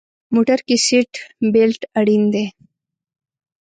موټر کې سیټ بیلټ اړین دی.